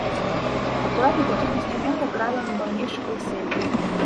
Акурат на такіх інструментах гралі на даўнейшых вяселлях.